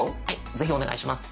ぜひお願いします。